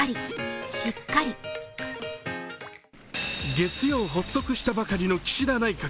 月曜発足したばかりの岸田内閣。